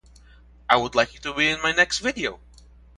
I would like you to be in my next video.